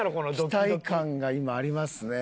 期待感が今ありますね。